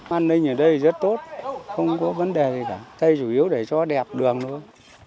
an ninh ở đây rất tốt không có vấn đề gì cả thay chủ yếu để cho nó đẹp đường luôn